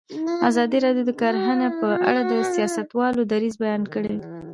ازادي راډیو د کرهنه په اړه د سیاستوالو دریځ بیان کړی.